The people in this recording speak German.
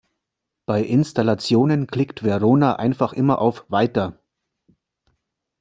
Bei Installationen klickt Verona einfach immer auf "Weiter".